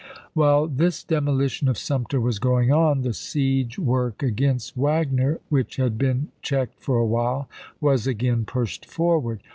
While this demolition of Sumter was going on, the siege work against Wagner, which had been checked for a while, was again pushed forward.